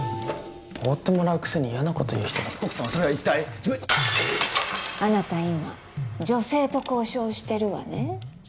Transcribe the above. おごってもらうくせに嫌なこと言う人だなＰＯＣ様それは一体あなた今女性と交渉してるわね